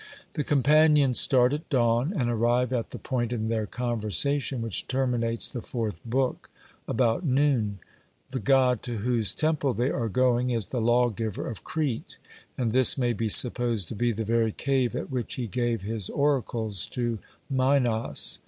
The companions start at dawn, and arrive at the point in their conversation which terminates the fourth book, about noon. The God to whose temple they are going is the lawgiver of Crete, and this may be supposed to be the very cave at which he gave his oracles to Minos.